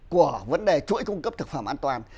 của vấn đề chuỗi cung cấp thực phẩm an toàn